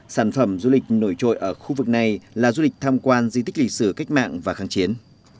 sản phẩm du lịch nổi trội ở khu vực này là du lịch tham quan di tích lịch sử cách mạng và kháng chiến